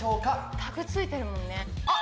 タグついてるもんね。